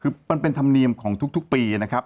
คือมันเป็นธรรมเนียมของทุกปีนะครับ